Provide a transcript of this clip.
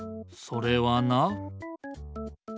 それはな。